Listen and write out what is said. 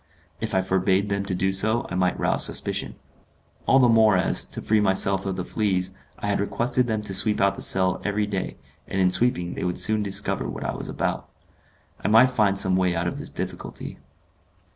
If I forbade them to do so, I might rouse suspicion; all the more as, to free myself of the fleas, I had requested them to sweep out the cell every day, and in sweeping they would soon discover what I was about. I must find some way out of this difficulty.